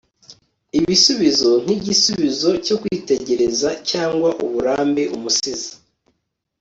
ibisubizo nkigisubizo cyo kwitegereza cyangwa uburambe. umusizi